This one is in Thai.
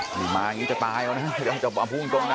นี่มาอย่างนี้จะตายแล้วนะจะอมภูมิตรงนะ